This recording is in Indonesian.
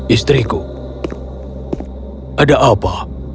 istriku ada apa